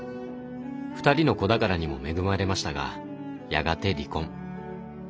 ２人の子宝にも恵まれましたがやがて離婚。